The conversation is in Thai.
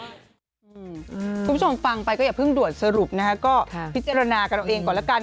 คุณผู้ชมฟังไปก็อย่าเพิ่งด่วนสรุปนะคะก็พิจารณากันเอาเองก่อนละกัน